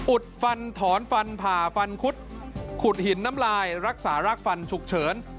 ฟันถอนฟันผ่าฟันคุดขุดหินน้ำลายรักษารากฟันฉุกเฉิน